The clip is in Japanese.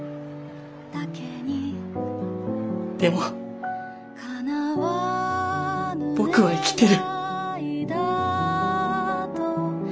でも僕は生きてる。